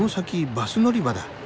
バス乗り場だ。